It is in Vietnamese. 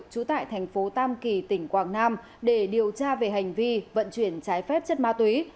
trú tại thành phố tam kỳ tỉnh quảng nam để điều tra về hành vi vận chuyển trái phép chất ma túy